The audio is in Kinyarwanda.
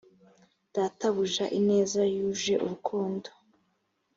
databuja ineza yuje urukundo